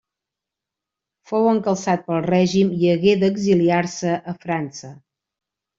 Fou encalçat pel règim i hagué d'exiliar-se a França.